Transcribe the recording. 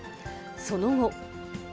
その後。